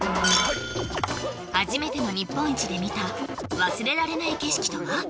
初めての日本一で見た忘れられない景色とは？